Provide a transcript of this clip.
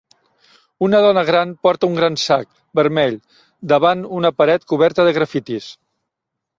Una dona gran porta un gran sac vermell davant una paret coberta de grafits...